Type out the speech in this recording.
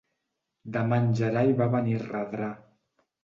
Demà en Gerai va a Benirredrà.